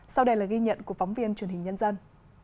sau đây là ghi nhận của phóng viên truyền hình nhân dân